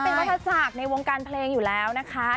มันเป็นวัฒนศาสตร์ในวงการเพลงอยู่แล้วนะคะ